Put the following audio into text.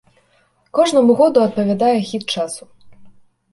Кожнаму году адпавядае хіт часу.